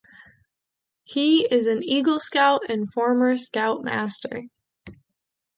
He is an Eagle Scout and former Scoutmaster.